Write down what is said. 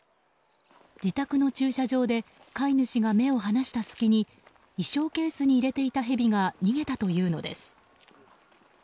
自宅の駐車場で飼い主が目を離した隙に衣装ケースに入れていたヘビが逃げたというのです。